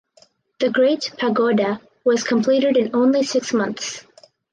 The Great Pagoda was completed in only six months.